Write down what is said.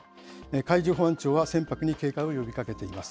海上保安庁は船舶に警戒を呼びかけています。